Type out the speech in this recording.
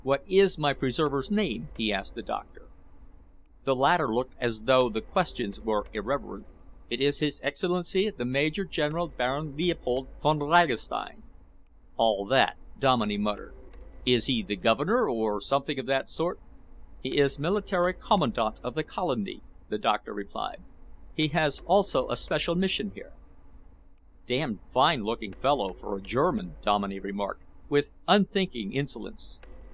"What is my preserver's name?" he asked the doctor. The latter looked as though the questions were irreverent. "It is His Excellency the Major General Baron Leopold Von Ragastein." "All that!" Dominey muttered. "Is he the Governor, or something of that sort?" "He is Military Commandant of the Colony," the doctor replied. "He has also a special mission here." "Damned fine looking fellow for a German," Dominey remarked, with unthinking insolence.